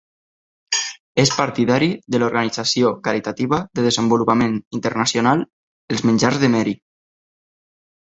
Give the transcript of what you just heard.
És partidari de l'organització caritativa de desenvolupament internacional Els Menjars de Mary.